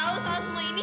kamu tau salah semua ini